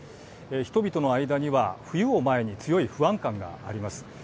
人々の間には冬を前に強い不安感があります。